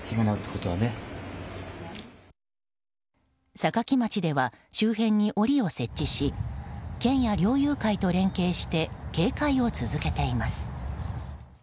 坂城町では周辺に檻を設置し県や猟友会と連携して警戒を続けています。